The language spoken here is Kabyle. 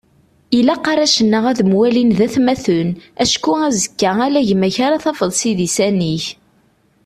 Ilaq arrac-nneɣ ad mwalin d atmaten, acku azekka ala gma-k ara tafeḍ s idisan-ik